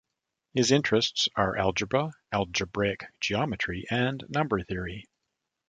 His interests are algebra, algebraic geometry, and number theory.